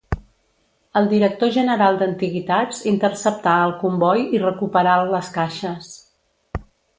El director general d'Antiguitats interceptà el comboi i recuperà les caixes.